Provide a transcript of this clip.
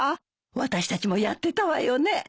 私たちもやってたわよね。